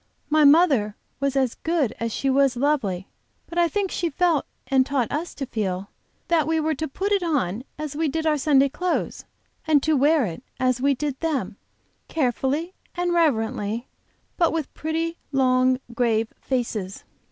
My mother was as good as she was lovely, but I think she felt and taught us to feel, that we were to put it on as we did our Sunday clothes, and to wear it, as we did them, carefully and reverently, but with pretty long, grave faces.